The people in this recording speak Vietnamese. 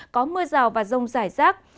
có mưa rào và rông rải rác